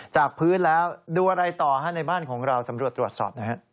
จากพื้นแล้วดูอะไรต่อฮะในบ้านของเราสำรวจตรวจสอบหน่อยฮะ